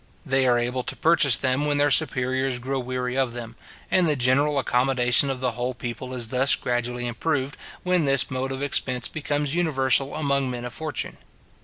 They are able to purchase them when their superiors grow weary of them; and the general accommodation of the whole people is thus gradually improved, when this mode of expense becomes universal among men of fortune.